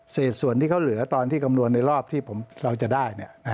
ส่วนที่เขาเหลือตอนที่คำนวณในรอบที่เราจะได้